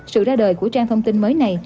sự ra đời của trang thông tin mới này